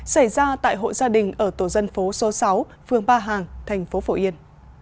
xảy ra tại hộ gia đình ở tổ dân phố số sáu phương ba hàng tp phổ yên